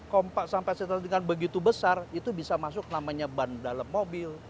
sampah sampah kita dengan begitu besar itu bisa masuk namanya ban dalam mobil